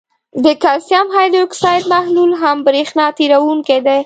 د کلسیم هایدروکساید محلول هم برېښنا تیروونکی دی.